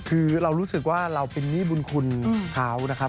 คือเรารู้สึกว่าเราเป็นหนี้บุญคุณเขานะครับ